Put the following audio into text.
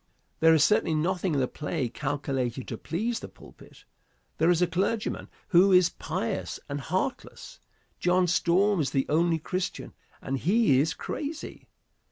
There is certainly nothing in the play calculated to please the pulpit. There is a clergyman who is pious and heartless. John Storm is the only Christian, and he is crazy.